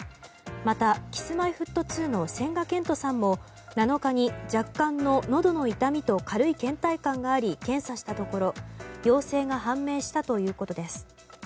またＫｉｓ‐Ｍｙ‐Ｆｔ２の千賀健永さんも７日に若干ののどの痛みと軽い倦怠感があり検査したところ陽性が判明したということです。